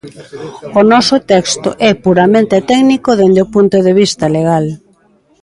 O noso texto é puramente técnico dende o punto de vista legal.